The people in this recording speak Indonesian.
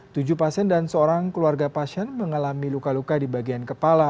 tujuh pasien dan seorang keluarga pasien mengalami luka luka di bagian kepala